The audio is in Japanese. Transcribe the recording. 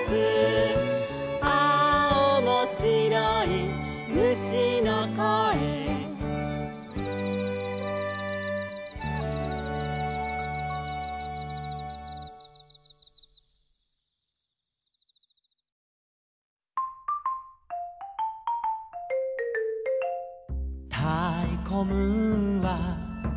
「ああおもしろい虫のこえ」「たいこムーンは」